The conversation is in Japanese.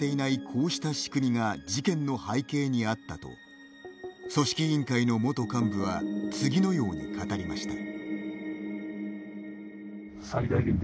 こうした仕組みが事件の背景にあったと組織委員会の元幹部は次のように語りました。